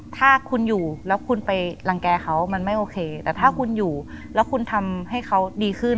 ถ้าคุณอยู่แล้วคุณไปรังแก่เขามันไม่โอเคแต่ถ้าคุณอยู่แล้วคุณทำให้เขาดีขึ้น